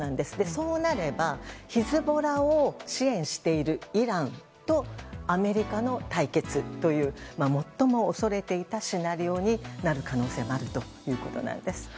そうなればヒズボラを支援しているイランとアメリカの対決という最も恐れていたシナリオになる可能性もあるということなんです。